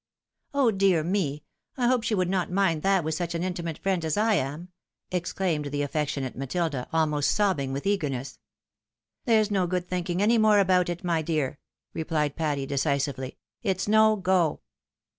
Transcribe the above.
" Oh, dear me! I hope she would not mind that with such an intimate friend as I am !" exclaimed the affectionate Matilda, almost sobbing with eagerness. " There's no good thinking any more about it, my dear," repUed Patty, decisively. " It's no go."